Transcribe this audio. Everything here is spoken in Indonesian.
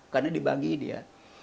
karena dibagi dia